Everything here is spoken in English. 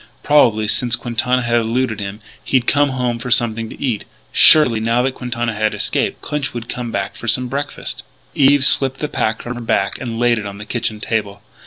Probably, since Quintana had eluded him, he'd come home for something to eat.... Surely, now that Quintana had escaped, Clinch would come back for some breakfast. Eve slipped the pack from her back and laid it on the kitchen table.